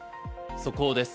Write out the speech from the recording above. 速報です。